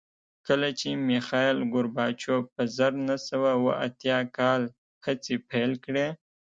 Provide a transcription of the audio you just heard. کله چې میخایل ګورباچوف په زر نه سوه اووه اتیا کال هڅې پیل کړې